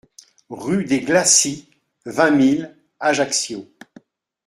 Rue des Glaçis, vingt mille Ajaccio